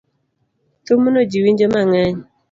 Thumno ji winjo mang'eny